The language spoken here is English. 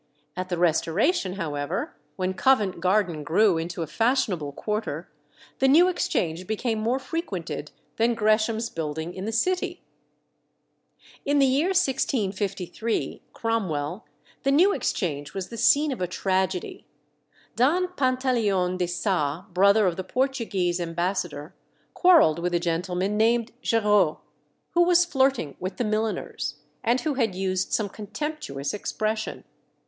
At the Restoration, however, when Covent Garden grew into a fashionable quarter, the New Exchange became more frequented than Gresham's building in the city. In the year 1653 (Cromwell), the New Exchange was the scene of a tragedy. Don Pantaleon de Saa, brother of the Portuguese ambassador, quarrelled with a gentleman named Giraud, who was flirting with the milliners, and who had used some contemptuous expression.